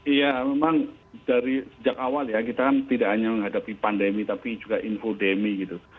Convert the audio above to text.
iya memang dari sejak awal ya kita kan tidak hanya menghadapi pandemi tapi juga infodemi gitu